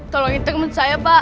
tolongin temen saya pak